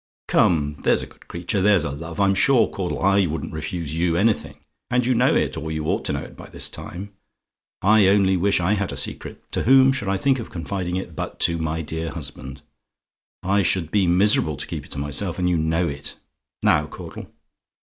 Come, there's a good creature; there's a love. I'm sure, Caudle, I wouldn't refuse you anything and you know it, or ought to know it by this time. I only wish I had a secret! To whom should I think of confiding it, but to my dear husband? I should be miserable to keep it to myself, and you know it. Now Caudle?